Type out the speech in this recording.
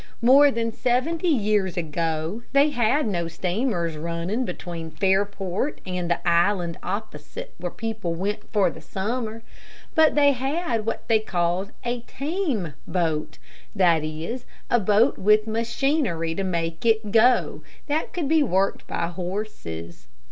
More than seventy years ago, they had no steamers running between Fairport and the island opposite where people went for the summer, but they had what they called a team boat, that is, a boat with machinery to make it go, that could be worked by horses.